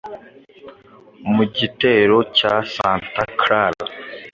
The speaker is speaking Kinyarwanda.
mu gitero cya santa clara,